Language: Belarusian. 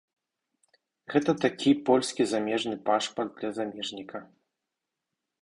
Гэта такі польскі замежны пашпарт для замежніка.